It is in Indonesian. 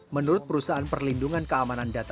menurut perusahaan perlindungan keamanan data